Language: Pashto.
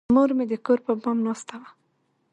مور مې د کور پر بام ناسته وه.